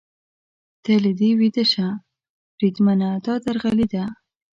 ته له دې ویده شه، بریدمنه، دا درغلي ده.